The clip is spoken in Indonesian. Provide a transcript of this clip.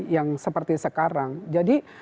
yang seperti sekarang jadi